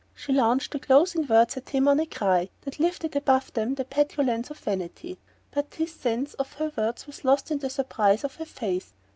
She launched the closing words at him on a cry that lifted them above the petulance of vanity; but his sense of her words was lost in the surprise of her face.